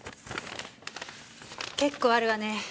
結構あるわね。